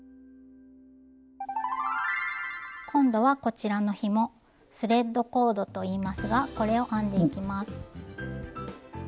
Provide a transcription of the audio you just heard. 今度はこちらのひもスレッドコードといいますがこれを編んでいきます。